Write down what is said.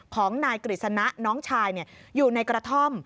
ของนายกฤษณะน้องชายอยู่ในกระท่อม